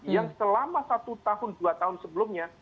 yang selama satu tahun dua tahun sebelumnya